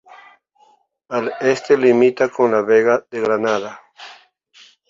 Al Este limita con la Vega de Granada.